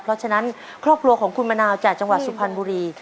เพราะฉะนั้นครอบครัวของคุณมะนาวจากจังหวัดสุพรรณบุรี